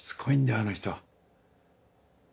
あの人。